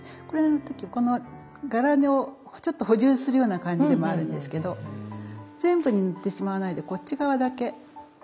これの時はこの柄をちょっと補充するような感じでもあるんですけど全部に塗ってしまわないでこっち側だけ。